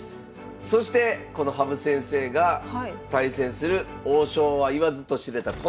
そしてこの羽生先生が対戦する王将は言わずと知れたこの方でございます。